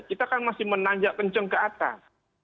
kita kan masih menanjak kenceng ke atas